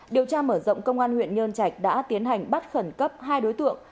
điều tra mở rộng công an huyện nhân trạch đã tiến hành bắt khẩn cấp hai đối tượng